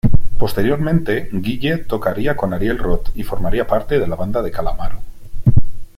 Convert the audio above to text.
Posteriormente Guille tocaría con Ariel Rot y formaría parte de la banda de Calamaro.